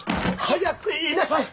早く言いなさい！